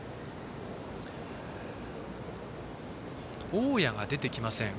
大矢が出てきません。